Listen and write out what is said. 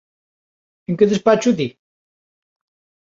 En que despacho di?